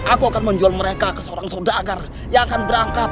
aku akan menjual mereka ke seorang saudagar yang akan berangkat